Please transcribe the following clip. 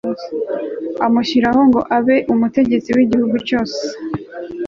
amushyiraho ngo abe umutegetsi w'igihugu cyose